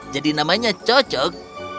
jadi namanya cocok